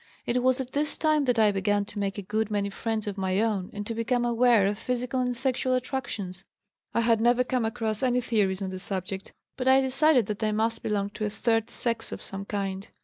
"It was at this time that I began to make a good many friends of my own and to become aware of psychical and sexual attractions. I had never come across any theories on the subject, but I decided that I must belong to a third sex of some kind.